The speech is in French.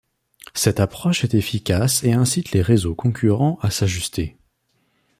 Cette approche est efficace et incite les réseaux concurrents à s'ajuster.